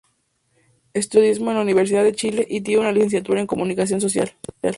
Estudió periodismo en la Universidad de Chile y tiene una Licenciatura en Comunicación Social.